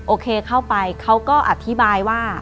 โอเคเข้าไปเขาก็อธิบายว่า